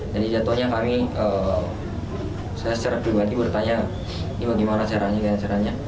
jadi jatuhnya kami saya secara pribadi bertanya ini bagaimana caranya